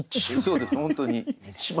そうです本当に。